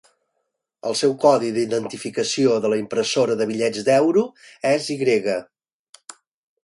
El seu codi d'identificació de la impressora de bitllets d'Euro és Y.